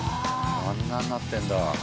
あんなんなってるんだ。